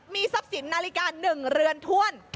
มีทรัพย์สินนาฬิกา๑เรือนถ้วน